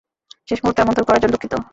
শেষ মূহুর্তে আমন্ত্রণ করার জন্য দুঃখিত।